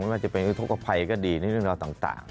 ว่าจะเป็นอุทธกภัยก็ดีในเรื่องราวต่าง